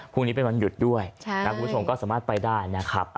พรุ่งนี้เป็นวันหยุดด้วยนะคุณผู้ชมก็สามารถไปได้นะครับ